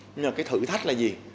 nhưng mà cái thử thách là gì